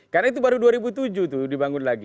karena itu baru dua ribu tujuh tuh dibangun lagi